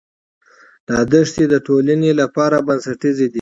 دا دښتې د ټولنې لپاره بنسټیزې دي.